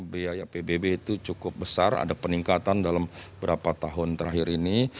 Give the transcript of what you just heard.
biaya pbb itu cukup besar ada peningkatan dalam beberapa tahun terakhir ini